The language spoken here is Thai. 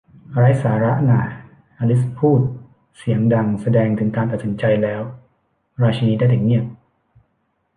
ไร้สาระน่า อลิซพูดเสียงดังแสดงถึงการตัดสินใจแล้ว ราชินีได้แต่เงียบ